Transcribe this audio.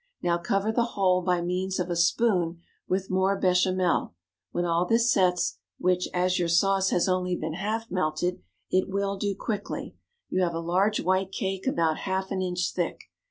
Now cover the whole by means of a spoon with more béchamel; when all this sets, which, as your sauce has only been half melted, it will do quickly, you have a large white cake about half an inch thick.